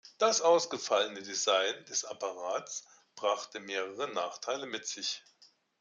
Das ausgefallene Design des Apparats brachte mehrere Nachteile mit sich.